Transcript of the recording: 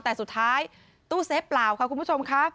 แต่สุดท้ายตู้เซฟเปล่าค่ะคุณผู้ชมค่ะ